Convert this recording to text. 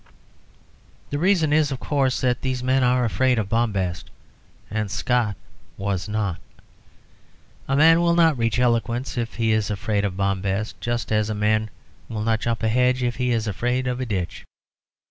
The reason is, of course, that these men are afraid of bombast and Scott was not. A man will not reach eloquence if he is afraid of bombast, just as a man will not jump a hedge if he is afraid of a ditch.